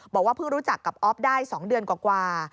บอกว่าเพิ่งรู้จักกับอ๊อฟได้๒เดือนกว่า